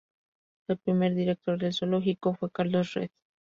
El primer director del zoológico fue Carlos Reed.